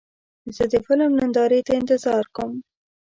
زه د فلم نندارې ته انتظار کوم.